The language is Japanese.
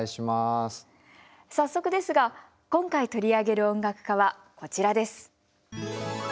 早速ですが今回取り上げる音楽家はこちらです。